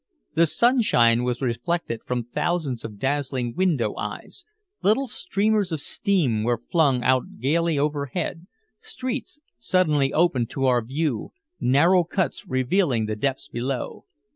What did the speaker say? The sunshine was reflected from thousands of dazzling window eyes, little streamers of steam were flung out gaily overhead, streets suddenly opened to our view, narrow cuts revealing the depths below.